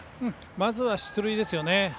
まずは出塁ですよね。